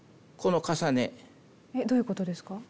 この重ね。えどういうことですか？